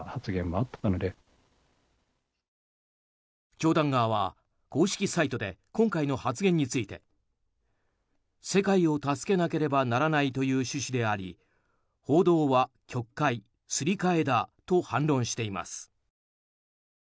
教団側は、公式サイトで今回の発言について世界を助けなければならないという趣旨であり報道は曲解、すり替えだと反論しています。